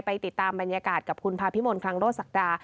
ติดตามบรรยากาศกับคุณภาพิมลคลังโลศักดา